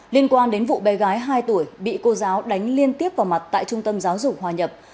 liên quan đến vụ bé gái hai tuổi bị cô giáo đánh liên tiếp vào mặt tại trung tâm giáo dục hòa nhập